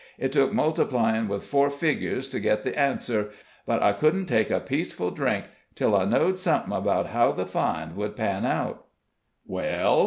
It took multiplyin' with four figures to git the answer, but I couldn't take a peaceful drink till I knowed somethin' 'bout how the find would pan out." "Well?"